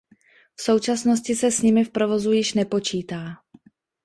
V současnosti se s nimi v provozu již nepočítá.